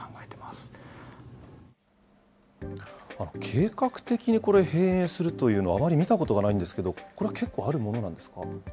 計画的にこれ、閉園するというのはあまり見たことがないんですけど、これは結構あるものなんですか。